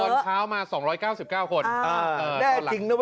ตอนเช้ามา๒๙๙คน